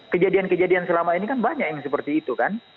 kejadian kejadian selama ini kan banyak yang seperti itu kan